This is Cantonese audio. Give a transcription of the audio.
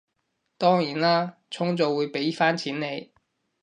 當然啦，充咗會畀返錢你